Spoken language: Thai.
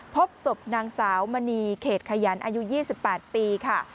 พบศพนางสาวมณีเขตขยันอายุ๒๘ปีค่ะ